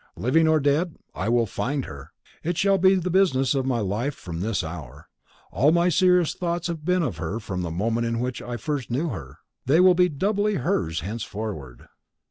"Living or dead, I will find her. It shall be the business of my life from this hour. All my serious thoughts have been of her from the moment in which I first knew her. They will be doubly hers henceforward."